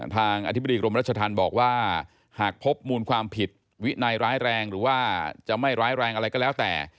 อธิบดีกรมรัชธรรมบอกว่าหากพบมูลความผิดวินัยร้ายแรงหรือว่าจะไม่ร้ายแรงอะไรก็แล้วแต่